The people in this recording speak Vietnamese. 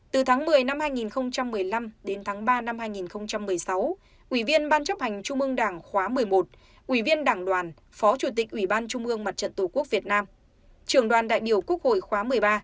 từ tháng một mươi năm hai nghìn một mươi năm đến tháng ba năm hai nghìn một mươi sáu ủy viên ban chấp hành trung ương đảng khóa một mươi một ủy viên đảng đoàn phó chủ tịch ủy ban trung ương mặt trận tổ quốc việt nam trưởng đoàn đại biểu quốc hội khóa một mươi ba